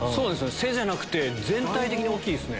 背じゃなくて全体的に大きいですね。